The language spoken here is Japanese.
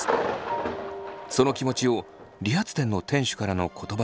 その気持ちを理髪店の店主からの言葉で理解します。